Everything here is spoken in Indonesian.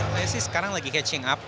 saya sih sekarang lagi catching up